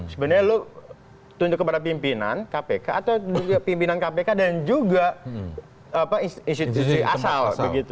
sebenarnya lo tunjuk kepada pimpinan kpk atau juga pimpinan kpk dan juga institusi asal